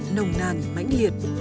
nồng nàn mãnh liệt